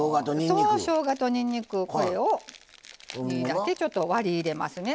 そうしょうがとにんにくこれをこうやってちょっと割り入れますね。